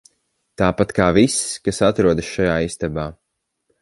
Tāpat kā viss, kas atrodas šajā istabā.